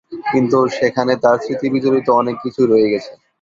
কিন্তু সেখানে তার স্মৃতিবিজড়িত অনেক কিছুই রয়ে গেছে।